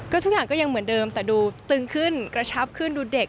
ทุกอย่างก็ยังเหมือนเดิมแต่ดูตึงขึ้นกระชับขึ้นดูเด็ก